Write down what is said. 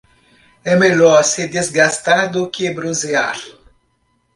É melhor se desgastar do que bronzear.